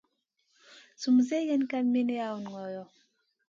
Sum mun sergue Kay min lawn ngolo.